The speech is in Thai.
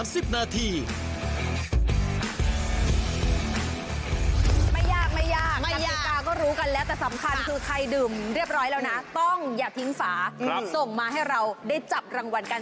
ส่งมาให้เราได้จับรางวัลกัน